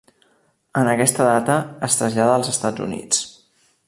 En aquesta data es trasllada als Estats Units.